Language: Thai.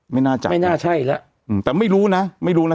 ไม่น่าจะไม่น่าใช่แล้วอืมแต่ไม่รู้นะไม่รู้นะ